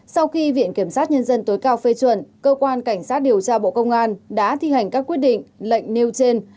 sau khi viện kiểm sát nhân dân tối cao phê chuẩn cơ quan cảnh sát điều tra bộ công an đã thi hành các quyết định lệnh nêu trên